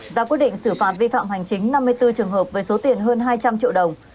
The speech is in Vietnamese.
ra quyết định xử phạt vi phạm hành chính năm mươi bốn trường hợp với số tiền hơn hai trăm linh triệu đồng